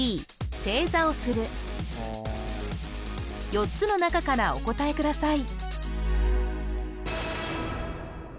４つの中からお答えください